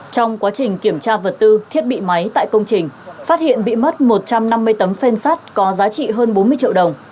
trong quá trình kiểm tra vật tư thiết bị máy tại công trình phát hiện bị mất một trăm năm mươi tấm phên sắt có giá trị hơn bốn mươi triệu đồng